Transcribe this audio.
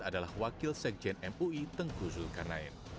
adalah wakil sekjen mui tengku zulkarnain